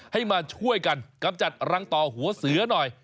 ให้มาช่วยกันกำจัดรังต่อหัวเสือหน่อย